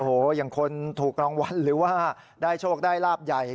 โอ้โหอย่างคนถูกรางวัลหรือว่าได้โชคได้ลาบใหญ่